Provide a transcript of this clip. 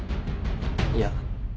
いや